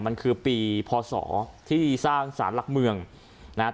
มันคือปีพศที่สร้างสารหลักเมืองนะครับ